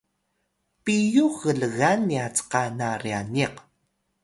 piyux glgan nya cka na ryaniq